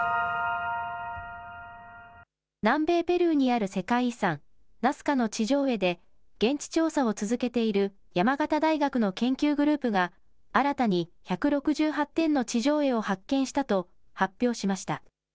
南米ペルーにある世界遺産、ナスカの地上絵で現地調査を続けている山形大学の研究グループが新たに１６８点の地上絵を発見したと発表しました。